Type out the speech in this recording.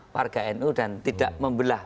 warga nu dan tidak membelah